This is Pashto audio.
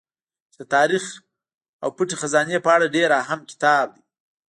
چې د تاريڅ او پټې خزانې په اړه ډېر اهم کتاب دی